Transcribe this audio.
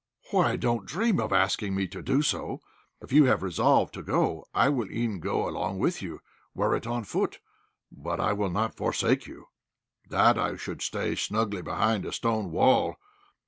Why, don't dream of asking me to do so. If you have resolved to go I will e'en go along with you, were it on foot; but I will not forsake you. That I should stay snugly behind a stone wall!